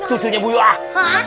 cucunya bu yoah